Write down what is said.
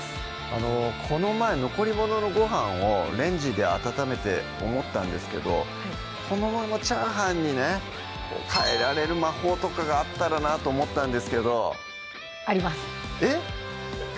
この前残り物のご飯をレンジで温めて思ったんですけどこのままチャーハンにね変えられる魔法とかがあったらなと思ったんですけどありますえっ！